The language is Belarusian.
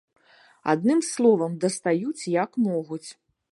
Адным словам, дастаюць як могуць.